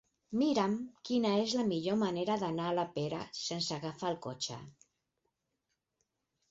Mira'm quina és la millor manera d'anar a la Pera sense agafar el cotxe.